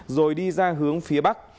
rồi đi ra hướng phía bắc